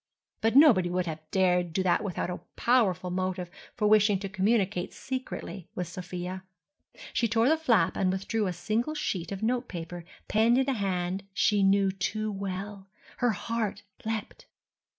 But nobody would have dared do that without a powerful motive for wishing to communicate secretly with Sofia. She tore the flap and withdrew a single sheet of notepaper penned in a hand she knew too well. Her heart leapt....